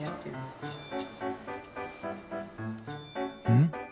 うん？